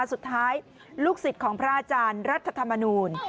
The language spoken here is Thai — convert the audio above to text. สุดท้ายลูกศิษย์ของพระอาจารย์รัฐธรรมนูล